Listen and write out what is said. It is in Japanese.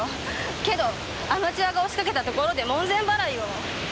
けどアマチュアが押しかけたところで門前払いよ。